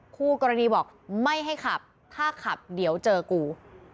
คู่กรณีบอกไม่ให้ขับถ้าขับเดี๋ยวเจอกู